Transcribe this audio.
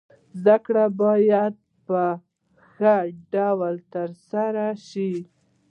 زده کړه باید په ښه ډول سره تر سره سي.